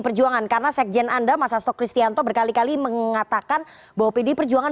perjuangan karena sekjen anda mas asto kristianto berkali kali mengatakan bahwa pdi perjuangan